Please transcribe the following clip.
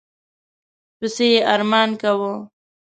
پسي یې ارمان کاوه.